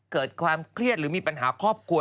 เกิดความเครียดหรือมีปัญหาครอบครัว